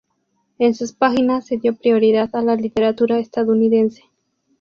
En sus páginas se dio prioridad a la literatura estadounidense.